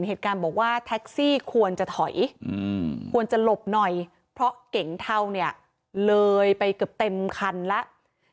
แต่แท็กซี่เขาก็บอกว่าแท็กซี่ควรจะถอยควรจะหลบหน่อยเพราะเก่งเทาเนี่ยเลยไปเต็มคันแล้ว